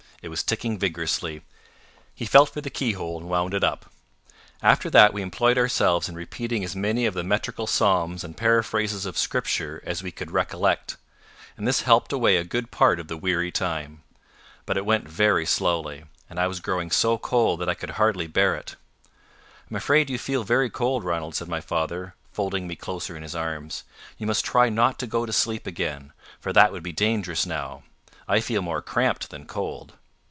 it was ticking vigorously. He felt for the keyhole, and wound it up. After that we employed ourselves in repeating as many of the metrical psalms and paraphrases of Scripture as we could recollect, and this helped away a good part of the weary time. But it went very slowly, and I was growing so cold that I could hardly bear it. "I'm afraid you feel very cold, Ranald," said my father, folding me closer in his arms. "You must try not to go to sleep again, for that would be dangerous now. I feel more cramped than cold."